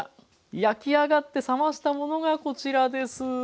焼き上がって冷ましたものがこちらです。